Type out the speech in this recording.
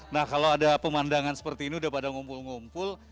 nah kalau ada pemandangan seperti ini udah pada ngumpul ngumpul